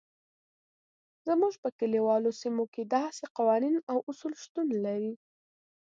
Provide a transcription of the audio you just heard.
زموږ په کلیوالو سیمو کې داسې قوانین او اصول شتون لري.